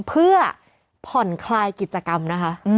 เพื่อผ่อนคลายกิจกรรมนะคะ